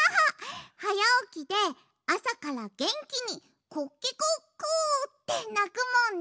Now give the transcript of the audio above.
はやおきであさからげんきにコケコッコってなくもんね。